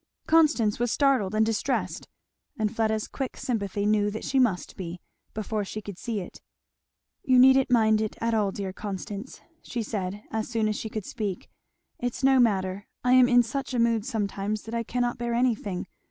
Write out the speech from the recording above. Constance was startled and distressed; and Fleda's quick sympathy knew that she must be, before she could see it. "You needn't mind it at all, dear Constance," she said as soon as she could speak, "it's no matter I am in such a mood sometimes that I cannot bear anything.